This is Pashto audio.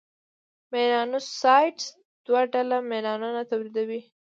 میلانوسایټس دوه ډوله میلانون تولیدوي: